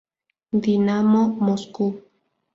Dinamo Moscú.